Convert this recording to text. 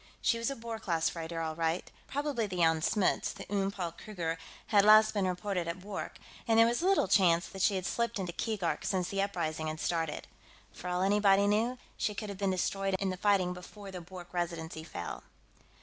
She was a Boer class freighter, all right. Probably the Jan Smuts; the Oom Paul Kruger had last been reported at Bwork, and there was little chance that she had slipped into Keegark since the uprising had started. For all anybody knew, she could have been destroyed in the fighting before the Bwork Residency fell.